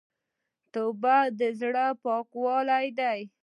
توبه د زړه پاکوالی ده.